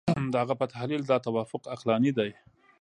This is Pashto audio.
د هغه په تحلیل دا توافق عقلاني دی.